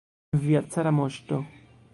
Via cara moŝto!